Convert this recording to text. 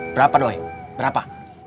berapa doi berapa